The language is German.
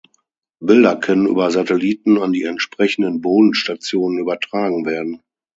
Bilder können über Satelliten an die entsprechenden Bodenstationen übertragen werden.